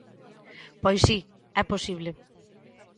Pois si, é posible.